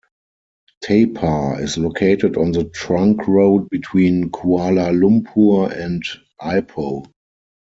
Tapah is located on the trunk road between Kuala Lumpur and Ipoh.